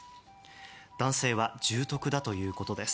男性は重篤だということです。